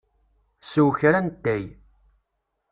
Sew kra n ttay.